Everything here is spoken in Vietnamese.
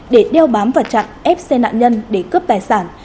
để đeo bám và chặn ép xe nạn nhân để cướp tài sản